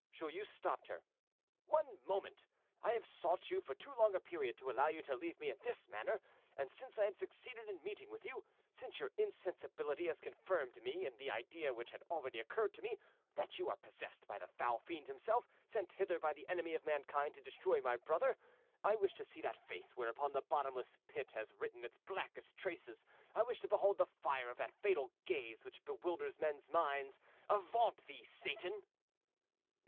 Joyeuse stopped her. "One moment! I have sought you for too long a period to allow you to leave me in this manner; and, since I have succeeded in meeting with you—since your insensibility has confirmed me in the idea which had already occurred to me, that you are possessed by the foul fiend himself, sent hither by the enemy of mankind to destroy my brother—I wish to see that face whereon the bottomless pit has written its blackest traces; I wish to behold the fire of that fatal gaze which bewilders men's minds. Avaunt thee, Satan!"